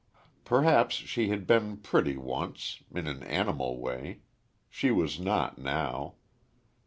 Perhaps she had been pretty once, in an animal way. She was not now.